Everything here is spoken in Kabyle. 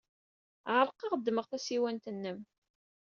Ɛerqeɣ, ddmeɣ tasiwant-nnem.